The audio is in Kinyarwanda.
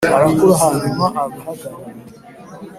arakura hanyuma agahagarara;